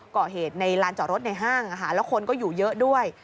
ก่อเหตุในลานจอดรถในห้างแล้วคนก็อยู่เยอะด้วย